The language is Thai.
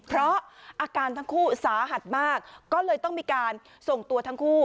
เพราะอาการทั้งคู่สาหัสมากก็เลยต้องมีการส่งตัวทั้งคู่